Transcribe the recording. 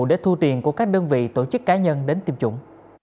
để thu tiền của các đơn vị tổ chức cá nhân đến tiêm chủng